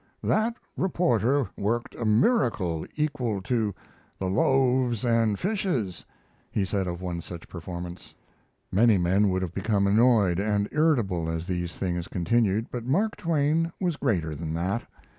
"That reporter worked a miracle equal to the loaves and fishes," he said of one such performance. Many men would have become annoyed and irritable as these things continued; but Mark Twain was greater than that.